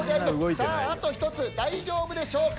さああと１つ大丈夫でしょうか？